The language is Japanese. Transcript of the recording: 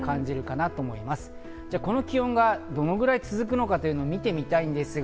この気温がどのくらい続くか見ていきます。